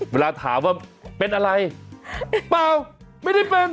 เวลาถามว่าเป็นอะไรเปล่าไม่ได้เป็น